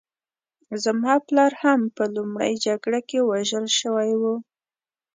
زما پلار هم په لومړۍ جګړه کې وژل شوی و